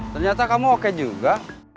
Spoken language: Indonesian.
ternyata kamu oke juga